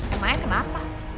eh maya kenapa